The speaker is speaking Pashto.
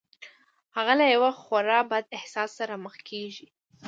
هغه له يوه خورا بد احساس سره مخ کېږي.